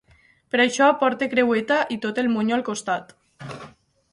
Per això porte creueta i tot el monyo al costat.